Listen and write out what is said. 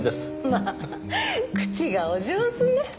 まあ口がお上手ね。